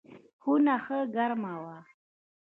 خونه ښه ګرمه وه.